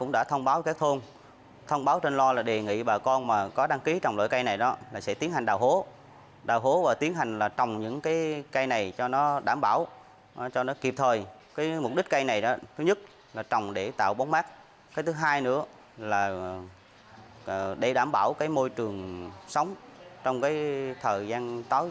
để đảm bảo môi trường sống trong thời gian tối cho bà con